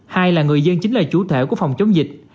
hai là người dân chính là chủ thể của phòng chống dịch